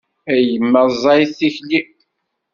A yemma ẓẓayet tikli.